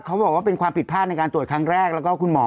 เขาบอกว่าเป็นความผิดพลาดในการตรวจครั้งแรกแล้วก็คุณหมอ